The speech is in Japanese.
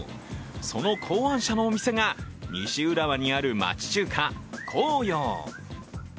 その考案者のお店が西浦和にある街中華・幸揚。